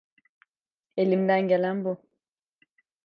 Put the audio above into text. Elimden gelen bu.